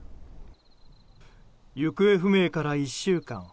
行方不明から１週間。